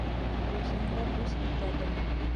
Дуҫыңды дуҫ итә бел